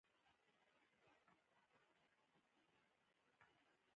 د افغان هر ګام د خپل هېواد لپاره اخیستل کېږي.